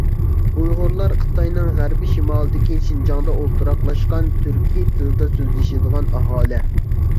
ئۇيغۇرلار، خىتاينىڭ غەربىي شىمالىدىكى شىنجاڭدا ئولتۇراقلاشقان، تۈركىي تىلىدا سۆزلىشىدىغان ئاھالە.